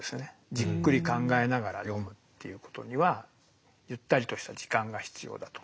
じっくり考えながら読むっていうことにはゆったりとした時間が必要だと。